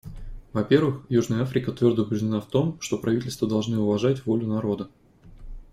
Во-первых, Южная Африка твердо убеждена в том, что правительства должны уважать волю народа.